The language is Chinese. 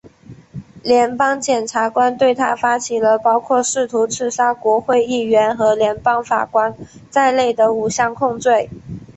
联邦检察官对他发起了包括试图刺杀国会议员和联邦法官在内的五项控罪。